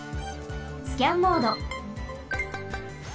スキャンモード。